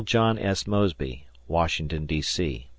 John S. Mosby, Washington, D. C.